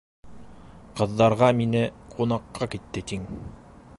Ҡыҙҙарға мине... ҡунаҡҡа китте тиң.